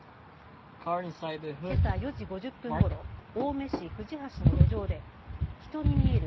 けさ４時５０分ごろ、青梅市藤橋の路上で、人に見える。